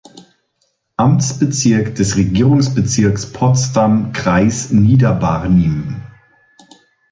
Amtsbezirk des Regierungsbezirks Potsdam Kreis Niederbarnim.